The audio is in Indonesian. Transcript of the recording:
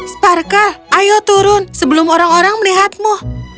sparka ayo turun sebelum orang orang melihatmu